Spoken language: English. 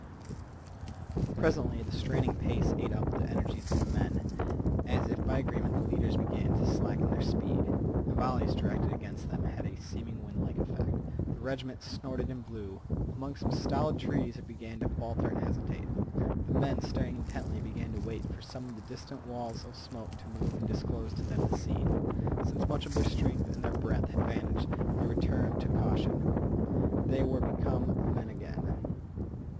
Presently the straining pace ate up the energies of the men. As if by agreement, the leaders began to slacken their speed. The volleys directed against them had had a seeming windlike effect. The regiment snorted and blew. Among some stolid trees it began to falter and hesitate. The men, staring intently, began to wait for some of the distant walls of smoke to move and disclose to them the scene. Since much of their strength and their breath had vanished, they returned to caution. They were become men again.